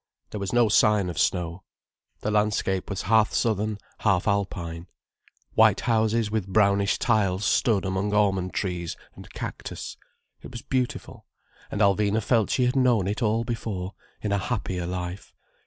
There was no sign of snow. The landscape was half southern, half Alpine. White houses with brownish tiles stood among almond trees and cactus. It was beautiful, and Alvina felt she had known it all before, in a happier life.